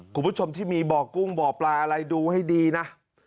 คุณผู้ชมที่มีบ่อกุ้งบ่อปลาอะไรดูให้ดีนะ